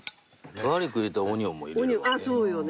ガーリック入れたらオニオンも入れるよね。